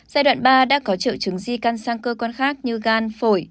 giai đoạn ba đã có triệu chứng di căn sang cơ quan khác như gan phổi